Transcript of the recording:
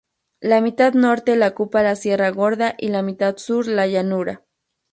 La mitad norte la ocupa la Sierra Gorda y la mitad sur la llanura.